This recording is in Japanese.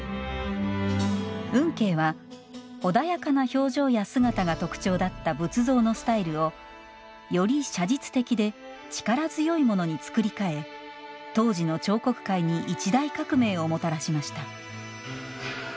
運慶は、穏やかな表情や姿が特徴だった仏像のスタイルをより写実的で力強いものに造り替え、当時の彫刻界に一大革命をもたらしました。